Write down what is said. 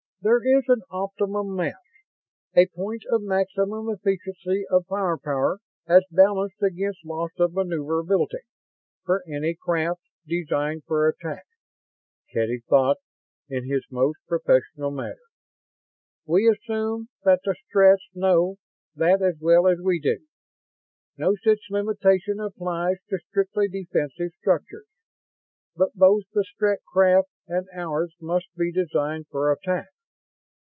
There is an optimum mass, a point of maximum efficiency of firepower as balanced against loss of maneuverability, for any craft designed for attack," Kedy thought, in his most professional manner. "We assume that the Stretts know that as well as we do. No such limitation applies to strictly defensive structures, but both the Strett craft and ours must be designed for attack.